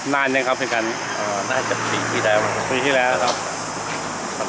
นานเนี่ยครับเวลากัน